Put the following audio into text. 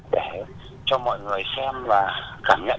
để cho mọi người xem và cảm nhận được